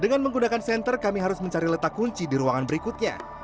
dengan menggunakan senter kami harus mencari letak kunci di ruangan berikutnya